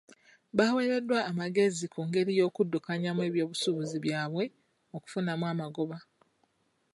Bawereddwa amagezi ku ngeri yokuddukanyamu eby'obusuubuzi byabwe okufunamu amagoba.